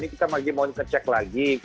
ini kita lagi mau ngecek lagi